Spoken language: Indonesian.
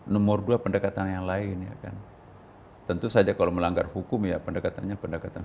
nomor dua pendekatan yang lain ya kan tentu saja kalau melanggar hukum ya pendekatannya pendekatan